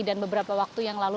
dan beberapa waktu yang lainnya